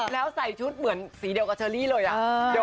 แล้วใส่ชุดเหมือนสีเดียวกับเชอรี่เลย